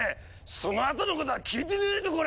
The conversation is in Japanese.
そのあとのことは聞いてねえぞコラ！